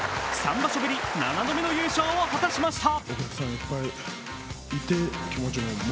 ３場所ぶり７度目の優勝を果たしました。